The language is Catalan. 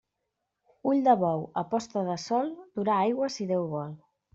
Ull de bou a posta de sol durà aigua si Déu vol.